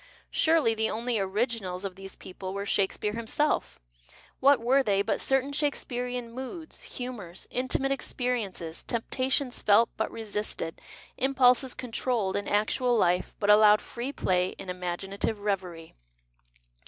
Surely, the only " originals " of these people were Shakespeare himself ? What were they but certain Shakespearean moods, humours, intimate experiences, temptations felt, but resisted, impulses controlled in actual life but allowed free play in imaginative reverie